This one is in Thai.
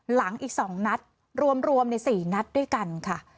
หลังอีกสองนัดรวมรวมในสี่นัดด้วยกันค่ะ